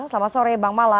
selamat sore bang mala